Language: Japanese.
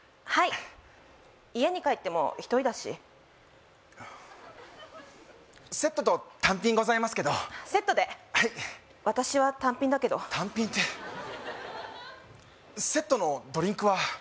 はい家に帰っても１人だしセットと単品ございますけどセットで私は単品だけど単品ってセットのドリンクは？